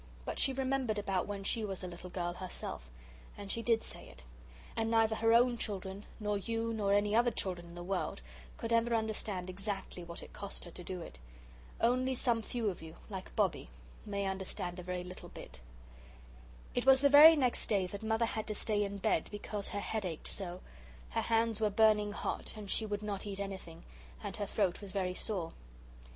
But she remembered about when she was a little girl herself, and she did say it and neither her own children nor you nor any other children in the world could ever understand exactly what it cost her to do it. Only some few of you, like Bobbie, may understand a very little bit. It was the very next day that Mother had to stay in bed because her head ached so. Her hands were burning hot, and she would not eat anything, and her throat was very sore.